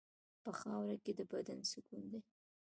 په خاوره کې د بدن سکون دی.